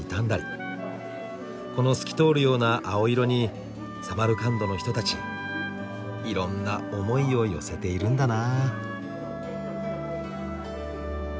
この透き通るような青色にサマルカンドの人たちいろんな思いを寄せているんだな。